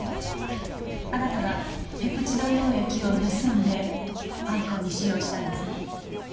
あなたがペプチド溶液を盗んで犯行に使用したんですね？